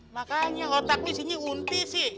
makanya otak di sini unti sih